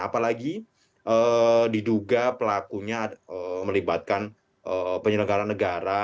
apalagi diduga pelakunya melibatkan penyelenggara negara